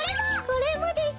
これもです。